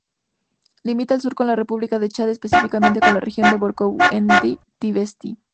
Limita al sur con la República de Chad, específicamente con la Región de Borkou-Ennedi-Tibesti.